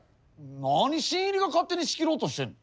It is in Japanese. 何新入りが勝手に仕切ろうとしてんの？